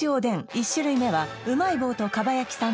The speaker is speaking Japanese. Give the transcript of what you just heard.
１種類目はうまい棒と蒲焼さん